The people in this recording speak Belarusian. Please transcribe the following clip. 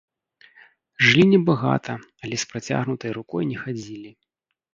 Жылі не багата, але з працягнутай рукой не хадзілі.